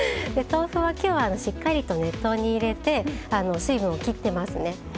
豆腐は今日はしっかりと熱湯に入れて水分をきってますね。